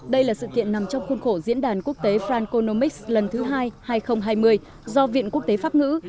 đây là sự kiện nằm trong khuôn khổ diễn đàn quốc tế franconomics lần thứ hai hai nghìn hai mươi do viện quốc tế pháp ngữ